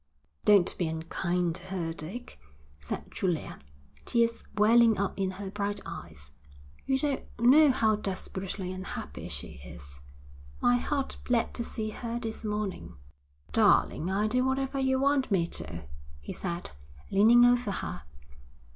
'Don't be unkind to her, Dick,' said Julia, tears welling up in her bright eyes. 'You don't know how desperately unhappy she is. My heart bled to see her this morning.' 'Darling, I'll do whatever you want me to,' he said, leaning over her.